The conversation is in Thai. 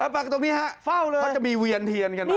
อ๋อปักตรงนี้ฮะเขาจะมีเวียนเทียนกัน